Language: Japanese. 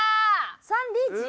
３リーチ？